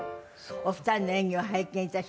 お二人の演技を拝見致します。